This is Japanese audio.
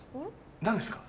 何ですか？